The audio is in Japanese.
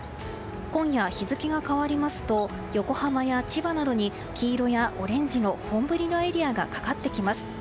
今夜、日付が変わりますと横浜や千葉などに黄色やオレンジの本降りのエリアがかかってきます。